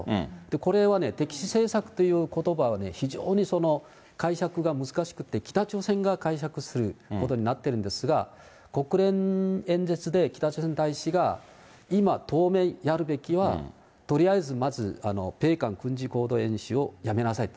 これは敵視政策ということばは非常に解釈が難しくて、北朝鮮が解釈することになってるんですが、国連演説で北朝鮮大使が今、当面やるべきは、とりあえずまず、米韓軍事合同軍事演習をやめなさいと。